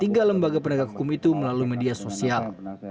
tiga lembaga penegak hukum itu melalui media sosial